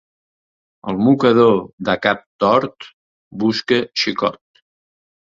El mocador de cap tort, busca xicot.